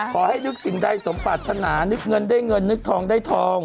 ขอให้นึกสิ่งใดสมปรารถนานึกเงินได้เงินนึกทองได้ทอง